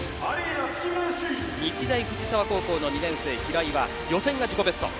日大藤沢高校の２年生平井は予選が自己ベスト。